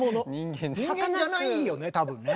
人間じゃないよね多分ね。